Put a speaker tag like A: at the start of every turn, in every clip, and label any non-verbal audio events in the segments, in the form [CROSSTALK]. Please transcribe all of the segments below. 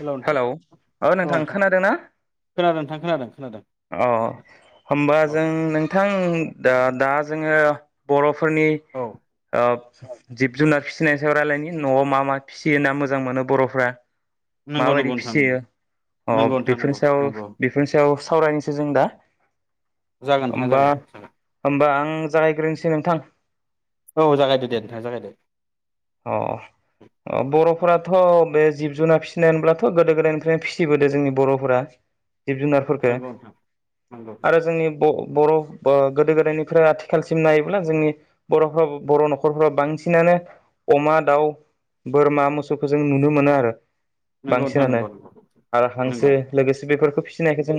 A: हेल' नोंथां
B: हेलौ अ नोंथां खोनादोंना
A: खोनादों नोंथां खोनादों खोनादों
B: अ
A: खोनादों
B: होमबा
A: औ
B: जों नोंथां दा। जोङो बर' माने
A: औ
B: ओ जिब जुनार फिसिनाय सायाव रायलायनि न'आव मा मा फिसियो ना मोजां मोनो बर'फ्रा।
A: नंगौ
B: माबायदि
A: नंगौ नोंथां नंगौ
B: फिसियो अ
A: नंगौ नोंथां
B: बेफोरनि
A: नंगौ
B: सायाव
A: नंगौ
B: बेफोरनि सायाव सावरायनोसै जों दा।
A: जागोन नोंथां
B: होमबा
A: जागोन जागोन
B: होमबा आं आं जागायग्रोनसै नोंथां।
A: औ जागायदो दे नोंथां जागायदो।
B: अ अ बर'फोराथ' बे जिब जुनार फिसिनाय होनब्लाथ' गोदो गोदायनिफ्रायनो फिसिबोदों जोंनि बर'फोरा जिब
A: नंगौ
B: जुनारफोरफोरखो
A: नोंथां नंगौ
B: आरो जोंनि ब बर' बो गोदो गोदायनिफ्राय आथिखालसिम नायोब्ला जोंनि बर'फ्राव बर' न'खरफ्राबो बांसिनानो अमा दाउ बोरमा मोसौखौ जों नुनो मोनो आरो।
A: नंगौ नोंथां
B: बांसिनानो
A: नंगौ
B: आरो
A: नंगौ
B: हांसो लोगोसे बेफोरखो फि सिनायखौ जों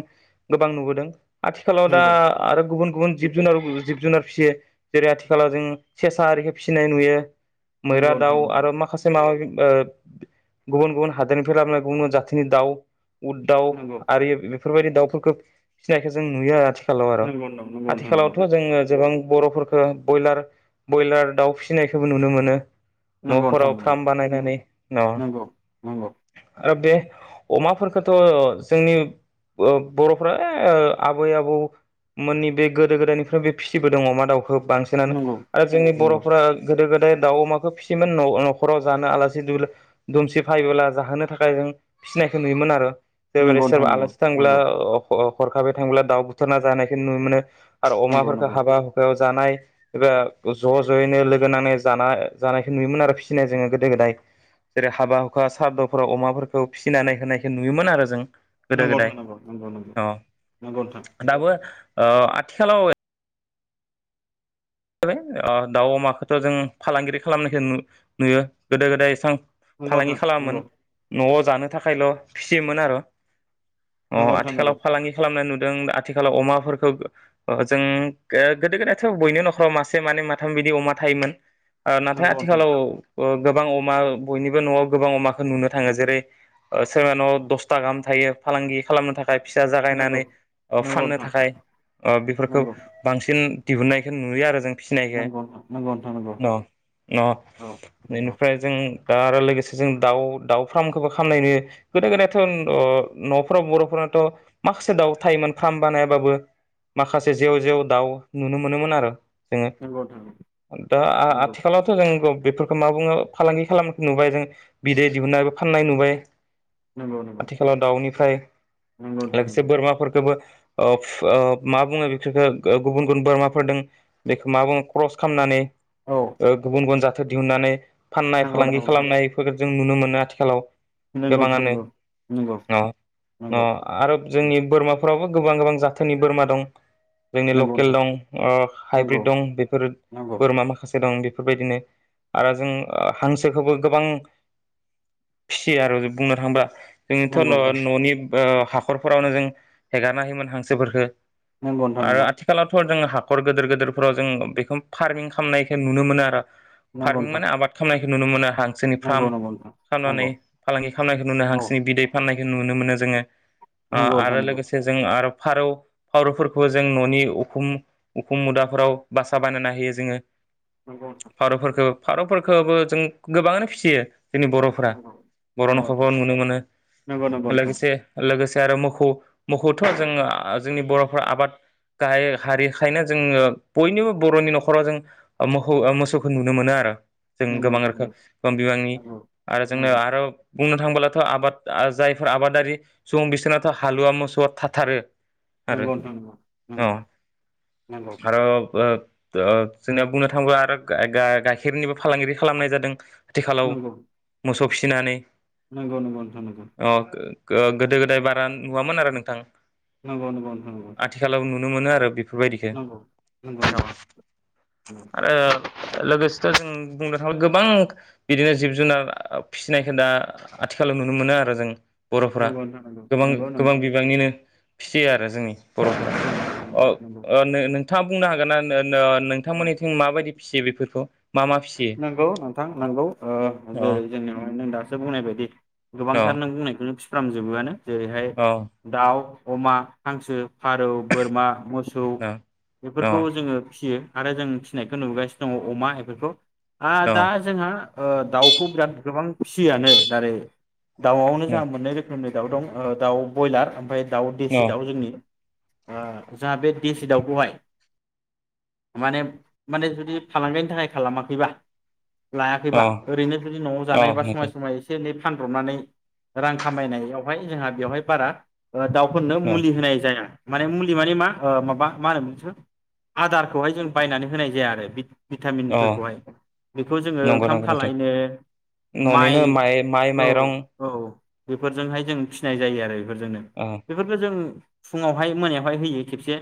B: गोबां नुबोदों। आथिखालाव दा
A: नंगौ
B: आरो गुबुन गुबुन जिब जुनार [UNINTELLIGIBLE] जिब जुनार फिसियो जेरै आथिखालाव जों सेसा आरिखो फिसिनाय नुयो। मैरा
A: नंगौ नोंथां
B: दाउ
A: नंगौ
B: आरो माखासे माबा माबि ओ गुबुन गुबुन हादोरनिफ्राय लाबोना गुबुन गुबुन जाथिनि दाउ उद दाउ आरि बे फोरबायदि दाउफोरखो फिनायखो जों नुयो आरो आथि खालाव आरो
A: नंगौ नंगौ नंगौ
B: आथिखालावथ' जोङो जोबां बर'फोरखो बयलार बयलार दाउ फिसिनायखोबो नुनो मोनो।
A: नंगौ नोंथां
B: न'फोराव फ्राम बानायनानै न'
A: नंगौ नंगौ नोंथां
B: आरो बे अमाफोरखोथ' जोंनि ओ बर'फ्रा ए आबै आबौमोननि बे गोदो गोदायनिफ्राय बे फिसिबोदों अमा दाउखो। बांसिनानो आरो जोंनि बर'फोरा गोदो गो दाय दाउ अमा फो फिसियोन न न'खराव जानो आलासि दु-दुमसि फायबोला जाहोनो थाखाय जों फिसिनायखो नुयोमोन आरो। जेबोरै
A: नंगौ नंगौ
B: सो आलासि थांब्ला अ अ हरखाबै थांब्ला दाउ बुथारना जानायखौ नुनो मोनो। आरो
A: नंगौ
B: अमाफोरखो
A: नंगौ
B: हाबा हुखायाव जानाय एबा ज' ज'यैनो लोगो नांनाय जाना जानायखौ नुयोमोन आरो फिसिनाय जोङो गोदो गोदाय जेरै हाबा हुखा सारद'फोराव अमाफोरखौ फिसिनानै होनायखो नुयोमोन आरो जों गोदो
A: नोंगौ
B: गोदाय
A: नोंथां नोंगौ नोंगौ नोंगौ
B: अ
A: नोंगौ नोंथां।
B: दाबो ओ आथिखालाव ए [UNINTELLIGIBLE] ओ दाउ अमाखौथ' जों फालांगिरि खालामनायखौ नु नुयो गोदो गोदाय एसां
A: नंगौ नंगौ
B: फालांगि खालामामोन न'आव जानो थाखायल' फिसियोमोन आरो। अ
A: नंगौ नंगौ नोंथां नंगौ नोंथां नंगौ नोंथां नंगौ नोंथां नंगौ
B: आथिखालाव फालांगि खालामना नु ओं आथिखालाव अमाफोरखौ जों गोदो गोदायथ' बयनिबो नख मासे माने माथाम बिदि अमा थायोमोन। नाथाय
A: नोंथां
B: आथिखालाव- गोबां अमा बयनिबो न'आव गोबां अमाखौ नुनो थाङो जेरै सोरबा न'आव दसथा गाहाम थायो फालांगि खालामनो थाखाय थाखाय फिसा
A: नंगौ
B: जागायनानै
A: नंगौ
B: फाननो
A: नोंथां
B: थाखाय बेफोरखौ
A: नंगौ
B: बांसिन दिहुननायखौ नुनो। नुलियाआरो जों
A: नंगौ नोंथां नंगौ नोंथां नंगौ
B: फिनायखो न
A: औ
B: बेनिफ्राय जों दा आरो लोगोसे जों दाउ दाउ फार्मखौबो खालामामनाय नु गोदो गोदायथ' न'फोराव बर'फोराथ' माखासे दाउ थायोमोन फार्म बानायाबाबो माखासे जेव जेव दाउ नुनो मोनोमोन आरो।
A: नंगौ नंगौ
B: जोङो दा
A: नोंथां
B: आथिखालावथ' जों बेफोरखौ मा बुङो फालांगि खालामनाय नुबाय जों बिदै दिहुननायबो फाननाय नुबाय।
A: नंगौ नंगौ।
B: फ्राय
A: नंगौ नोंथां
B: लोगोसे
A: नंगौ
B: बोरमाफोरखोबो ओ मा बुङो बेख गुबुन गुबुन बोरमाफोरदों। बेखौ मा बुङो क्रस खालामनानै
A: औ
B: ओ गुबुन गुबन जा दिहुननानै फाननाय
A: नंगौ
B: फालांगि खालामनायफोर जों नुनो मोनो आथिखालाव।
A: नंगौ नोंथां
B: गोबाङानो अ अ आरो जोंनि बोरमाफ्राबो गोबां गोबां जाथोनि बोरमा दं। जोंनि
A: नंगौ
B: लकेल
A: नोंथां
B: दं ओ।
A: नंगौ
B: हाइब्रिद दं बेफोर
A: नंगौ
B: बोरमा माखासे दं बेफोरबायदिनो आरो जों हांसोखौबो गोबां फिसियो आरो बुंनो थाङोबा जोंथ'
A: नंगौ
B: न'नि ओ हाखरफोरावनो जों हेगारना होयोमोन हांसोफोरफोरखो
A: नंगौ नोंथां
B: आरो आथिखालावथ'। जों हाखर गेदोर गेदोरफोराव जों बेखौ फार्मिं खालामनायखौ नुनो मोनो आरो। फार्मिं
A: नंगौ
B: माने आबाद खालामनाय। नुनो मोना। हांसोनि फार्म
A: नंगौ
B: खालामनानै फालांगि खालामनायखौ नुनो हांसोनि बिदै फाननाय बे नुनो मोनो जोङो
A: नंगौ
B: आरो
A: नोंथां
B: लोगोसे जों आरो फारौ फारौफोरखौ जों न'नि उखुम उखुम मुदाफोराव बासा बानायना होयो जोङो फारौफोरखौ फारौफोरखौबो जों गोबाङानो फिसियो जोंनि बर'फोरा बर' न'खरफोराव नुनो मोनो
A: नंगौ नोंथां नंगौ नोंथां नंगौ नोंथां
B: लोगोसे लोगोसे मोखौ मोखौथ' जोङो जोंनि बरफ्रा आबाद गाहाय हारि थायोनो जोङो बयनिबो बर'नि न'खराव जों मोखौ ओ मोसौखौ नुनो मोनो आरो जों गोबां रोखोम गोबां बिबांनि
A: नंगौ औ
B: आरो जोंनो आरो बुं थांबोब्लाथ' आबाद जायफोर आबादारि सुबुं बिसोरनाथ' हालुवा मोसौआ थाथारो आरो
A: नंगौ नोंथां नंगौ
B: अ
A: नंगौ नंगौ
B: आरो ओ ओ जोंनिया बुंनो थाङोबा आरो गाइ-गाइ- गाइखेरनिबो फालांगिरि खालामनाय जादों आथिखालाव सब फिसिनानै
A: नंगौ नंगौ नोंथां नोंथां
B: ओ गोदो गोदाय बारा नुवामोन आरो नोंथां
A: नंगौ नंगौ नोंथां नंगौ
B: आथिखालाव नुनो मोनो [UNINTELLIGIBLE] बेफोरबायदिखो [UNINTELLIGIBLE]
A: नंगौ नंगौ नंगौ
B: आरो लोगोसेथ' जों बुंनो थाङोब्ला गोबां बिदिनो जिब जुनार फिसिनायखौ दा आथिखालाव नुनो मोनो आरो जों बर'फ्रा
A: नंगौ नंगौ नोंथां
B: गोबां
A: नंगौ
B: गोबां
A: नंगौ
B: बिबांनिनो फिसियो आरो जों
A: नांगौ नोंथां नंगौ
B: नों नोंथाङा बुंनो हागोन ना
A: औ
B: नोंथांमोननिथिं मा बायदि फिसियो बेफोरखौ मा मा फिसियो
A: नंगौ नोंथां नंगौ ओ
B: औ
A: जेरै जोंनियाव नो दा दासो बुंनाय बायदि
B: औ
A: गोबांथार नों बुंनायखौ [UNINTELLIGIBLE] फिफ्राराम जोबो जेरैहाय
B: औ
A: दाउ अमा हांसो फारौ बोरमा मोसौ मोसौ
B: औ
A: बेफोरखौ
B: औ
A: जोङो फिसि आरो जों फिनायखौ नुबोगासिनो दङ अमा बेफोरखौ आ दा
B: औ
A: जोंहा ओ दाउखौ बिराद गोबां फिसियानो दारै दाउआवनो जोंहा मोननै रोखोमनि दाउ दं दाउ बयलार ओमफ्राय दाउ देसि दाउ
B: औ
A: जोंनि जोंहा बे देसि दाउखौहाय माने माने जुदि फालांगिनि थाखाय खालामा खैबा लायाखैबा ओरैनो जुदि न'आव जानाय
B: औ
A: एबा समाय
B: नोंथां
A: समाय एसे सानब्रबनानै रां खामायनायावहाय जोंहा बेवहाय बारा दाउफोरनो
B: औ
A: मुलि होनाय जाया माने मुलि माने मा माबा मा होनोसो आदारखौहाय जों बायनानै होनाय जाया आरो बि भिटामिन
B: औ
A: फोरखौ हाय बेखौ जोङो
B: नंगौ
A: ओंखाम
B: नंगौ नोंथां
A: खालायनो माइ
B: न'निनो माइ
A: औ
B: माइरं
A: औ बेफोरजोंहाय जों फिसिनाय जायो आरो बेफोरजोंनो
B: औ
A: बेफोरखौ जों फुङावहाय मोनायावहाय होयो खेबसे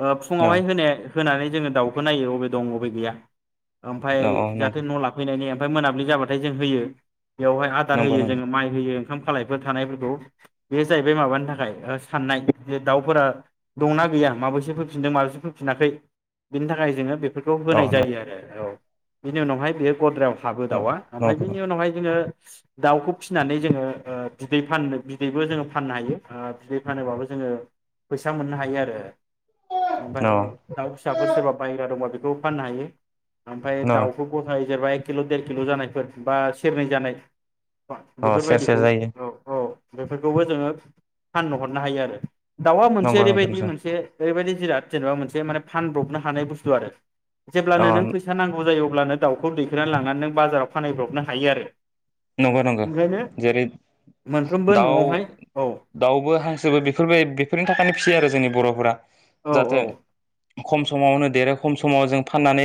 A: ओ
B: औ
A: फुङावहाय होनो होनोनानै जोङो दाउखौ नायो बबे दं अबे गैया ओमफ्राय
B: औ नंगौ
A: जाहाथे न' लाफैनायनि ओमफ्राय मोनाबिलि जाबाथाय जों होयो बेवहाय आदार
B: नंगौ
A: होयो
B: नंगौ
A: जोङो माइ होयो ओंखाम खालायफोर थानायफोरखौ बे जाहैबाय माबानि थाखाय साननाय जे दाउफोरा दंना गैया माबैसो फैफिनदों माबैसे फैफिनाखै बिनि थाखाय जोङो बे बेखौ
B: औ
A: होनाय
B: नंगौ
A: जायो आरो औ बिनि उनावहाय बेयो गद्रायाव हाबो
B: न
A: दाउया ओमफ्राय
B: नंगौ
A: बिनि
B: न'
A: उनावहाय जोङो दाउखौ फिसिनानै जोङो बिदै फाननो बिदैबो जोङो फाननो हायो ओ बिदै फानोबाबो जोङो फैसा मोननो हायो आरो ओमफ्राय दाउ फिसाफोर सोरबा बायग्रा दंबा बे खौ फाननो हायो। ओमफ्राय
B: न'
A: दाउखौ गथाय जेनेबा एक किल' देर किल' जानायफोर बा सेरनै जानाय
B: अ सेरसे
A: बेफोरबायदिखौ
B: जायो
A: औ औ बेफोरखौबो जोङो फाननो हरनो हायो आरो। दाउआ मोनसे
B: नंगौ नंगौ
A: ओरैबायदि
B: नोंथां
A: मोनसे ओरैबायदि जिराद जेनेबा मोनसे माने फानब्रबनो हानाय बुस्थु आरो जेब्ला
B: अ
A: नो नों फैसा द जायोब्लानो दाउखौ दैखोनानै लांनानै नों बाजाराव फानब्रबनो हायो आरो
B: नंगौ नंगौ
A: ओंखायनो
B: जेरै
A: मोनफ्रोमबो
B: दाउ
A: न'आवहाय औ
B: दाउबो हांसोबो बेफोरबाय बेफोरनि थाखायनो फिसियो आरो जोंनि बर'फोरा
A: औ
B: जाहाथे
A: औ
B: खम समावनो देरो खम समाव जों फाननानै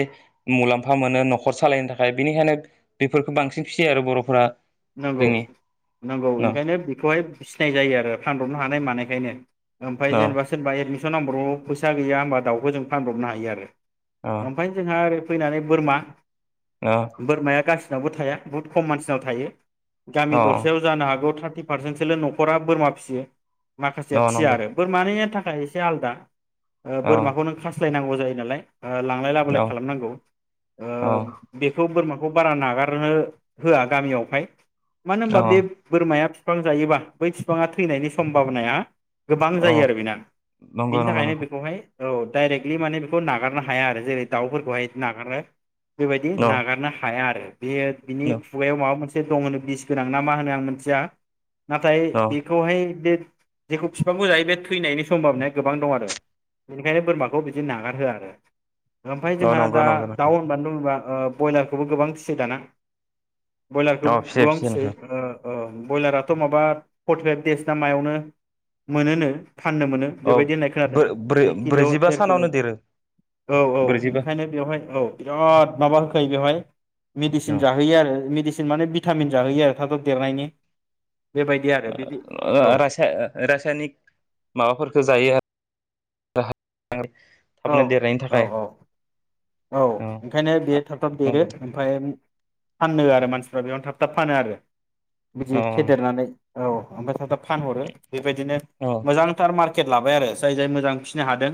B: मुलाम्फा मोनो न'खर सालायनो थाखाय बेनिखायनो बेफोरखौ बांसिन फिसियो आरो बर' फ्रा
A: नंगौ नंगौ ओंखायनो बेखौहाय बिसिनाय जायो आरो फानब्रबनो हानाय मानायखौ खायनो ओमफ्राय
B: न
A: जेनबा सोरबा एदमिन सन नाम्बाव फैसा गैया होमबा दाउखौ जों फानब्रबनो हायो आरो।
B: अ
A: ओमफ्राय जोंहा ओरै फैनानै बोरमा
B: अ
A: बोरमाया कासि [UNINTELLIGIBLE] थाया बुहुत खम मानसिनाव थायो गामि
B: अ
A: दरसेयाव जानो हागौ थारथि थारटि पारसेन्टसोल' नख'रा बोरमा फियो माखासेया
B: न
A: फिसिया
B: नंगौ
A: आरो बोरमानि थाखाय से आलदा
B: औ
A: बोरमाखौ नों खासलायनांगौ जायो नालाय लांलाय लाबोलाय
B: औ
A: खालामनांगौ
B: औ
A: बेखौ बोरमा बेखौ बारा नागारनो होआ गामियावहाय मानो होनबा
B: औ
A: बे बोरमाया बिफां जायोबा बै बिफाङा थैनायनि सम्भाबनाया गोबां
B: औ
A: जायो आरो बेना
B: नंगौ
A: बिनि
B: नंगौ
A: थाखायनो
B: नोंथां
A: बेखौहाय औ डाइरेक्टलि माने बेखौ नागारनो हाया आरो जेरै दाउफोरखौहाय नागारो बेबायदि
B: औ
A: नागारनो हाया आरो। बे बिनि खुगायाव माबा मोनसे से दं होनो बिस गोनां ना मा होनो आं मिथिया नाथाय
B: औ
A: बेखौहाय बे जेखौ बिफांखौ जायो बे थैनायनि सम्भाबनाय गोबां दं आरो बेनिखायनो बोरमाखौ बिदिनो नागारहोआ आरो ओमफ्राय
B: औ
A: जोंहा
B: नंगौ
A: दा
B: नंगौ
A: दाउ
B: नोंथां
A: होनबानो जेङोबा ब्रयलारखौबो गोबां फियो दाना। ब्रयलारखौ
B: औ फिसियो
A: गोबां
B: फिसियो नोंथां
A: फिसियो। ब्रयलाराथ' माबा फर्टिफाइभ देस ना मायावनो मोनोनो। फाननो मोनो
B: औ
A: बेबायदि होननाय खोनादों एक किल'
B: ब्रैजिबा
A: देर किल'
B: सानावनो देरो
A: औ औ
B: ब्रैजिबा
A: ओंखायनो बेवहाय औ बिराद माबा होखायो। बेवहाय'- मेडिसिन
B: औ
A: जाहोयो आरो मेडिसिन बे माने भिटामिन जाहोयो आरो थाबथाब' देरनायनि बेबायदि आरो बिदि औ
B: रासायनिक माबाफोरखौ जायो आरो। [UNINTELLIGIBLE]
A: औ
B: थाबनो देरनायनि
A: औ
B: थाखाय
A: औ औ ओंखायनो बेयो थाब थाब देरो
B: नंगौ
A: ओमफ्राय फाननो आरो मानसिफ्रा बेयावनो थाब थाब फानो आरो। बिदि
B: अ
A: फेदेरनानै औ ओमफ्राय थाब थाब फानहरो बेबायदिनो
B: औ
A: मोजांथार मार पकेट लाबाय आरो जाय जाय मोजां फिसिनो हादों।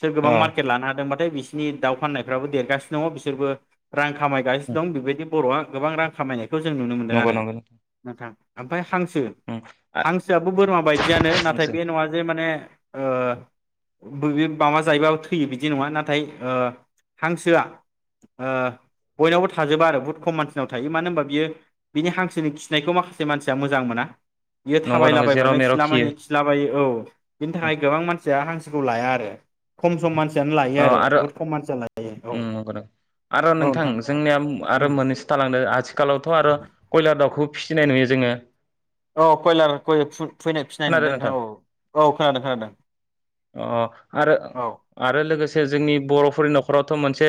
A: सोर
B: औ
A: गोबां मार्केट लानो हादोंबाथाय बिस बिनि दाव फाननाय बिफ्राबो देरगासिनो दङ बिसोरबो। रां खामायगासिनो दं बेबायदि बर'आ गोबां रां खामायो। बेखौ जों नुनो मोन्दों
B: नंगौ
A: आरो
B: नंगौ
A: नोंथां। आमफाय हांसो
B: उम आ
A: हांसोआबो बोरमा बायदियानो नाथाय बे नङा जे माने ओ बो ओ माबा जायोबा थैयो बिदि नङा नाथाय ओ हांसोआ ओ बयनावबो थाजोबा आरो बुहुत खम मानसिनाव थायो मानो होनबा बियो बिनि हांसोनि खिनायखौ माखासे मानसिया मोजां मोना। बियो
B: नंगौ नंगौ जेराव
A: थाबायलाबायबानो
B: मेराव
A: सिला
B: खियो
A: मानि खिलाबायो औ। बिनि थाखाय गोबां मानसिया हांसोखौ लाया आरो खम सम मानसि लायो आरो बुहुत खम मानसिया लायो। औ
B: ओ नंगौ नंगौआरो नोंथां जोंनिया आरो
A: उम
B: मोननैसो थालांदों आथिखालावथ' आरो कयलार दाउखौ फिसिनाय नुयो जोङो।
A: औ कयलारय फैनो फिनाय नुदों नोंथां औ औ खोनादों खोनादों औ।
B: से जोंनि बर'फोरनि न'खरावथ' मोनसे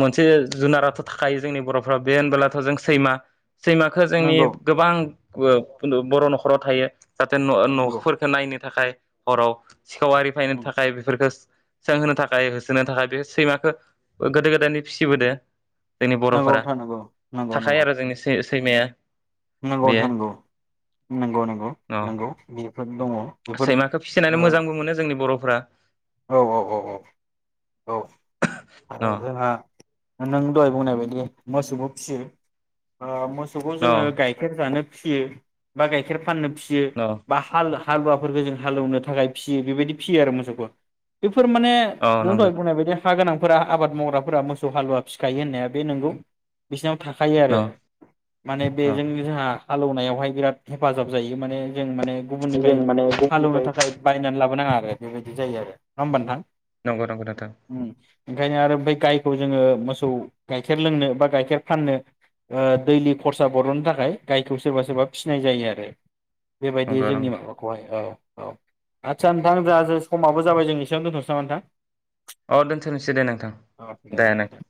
B: मोनसे जुनाराथ' थाखायो जोंनि बर'फोरा बे होनबोलाथ' जों सैमा सैमाखो जोंनि
A: नंगौ
B: गोबां बर' न'खराव थायो जाहाथे न'
A: नंगौ
B: न'फोरखौ नायनो नि थाखाय हराव सिखाव आरि फायनो
A: उम
B: थाखाय बेफोरफोरखो सों होनो थाखाय होसोनो थाखाय बे सैमाखो गोदो गोदायनो फिसिबोदों जोंनि
A: नंगौ
B: बर'फोरा
A: नोंथां नंगौ नंगौ नंगौ
B: थाखायो आरो जोंनि सैमाया
A: नंगौ
B: बेयो
A: नोंथां नंगौ नंगौ नंगौ नंगौ दङ बेफोर
B: सैमाखो फिसिनानै मोजांबो मोनो जोंनि बर'फ्रा
A: औ औ औ औ औ
B: न
A: आरो जोंहा नों दहाय बुंनाय बायदि मोसौखौ फिसियो ओ मो मोसौखौ
B: न
A: जोङो गाइखेर जानो फिसियो बा गाइखेर फाननो फियो
B: न
A: बा हाल हालुवाफोरफोरखौ जों हालेवनो थाखाय फियो बेबायदि फियो आरो मोसौखौ फोर माने
B: औ
A: नों दाय
B: नंगौ
A: बुंनाय बायदि थाखा गोनांफोरा आबाद मावग्राफोरा मोसौ हालुवा फिखायो होननाया बे नंगौ बिसिनाव थाखायो
B: न
A: आरो माने
B: अ
A: बेजों जोंहा हालेवनायावहाय बिराद हेफाजाब जायो माने जों माने
B: जों
A: गुबुननिफ्राय
B: माने
A: हालेवनो
B: गुबुननिफ्राय
A: थाखाय बायनानै लाबोनाङा आरो बेबायदि जायो आरो ना होमबा नोंथां
B: नंगौ नंगौ नोंथां
A: उम ओंखायनो आरो फ्राय गायखौ जोङो मोसौ गाइखेर लोंनो बा गाइखेर फाननो ओ दैलि खरसा बरल'नो थाखाय गायखौ सोरबा सोरबा फिसिनाय जायो आरो बेबायदि
B: नंगौ
A: जोंनि
B: नंगौ
A: माबाखौहाय औ औ आदसा नोंथां दा ज समाबो जाबाय जोंनि दोनथनसै नामा नोंथां
B: अ दोनथ'नोसै दे नोंथां दे नोंथां